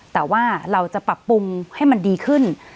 แต่ว่าเราจะปรับปรุงให้มันดีขึ้น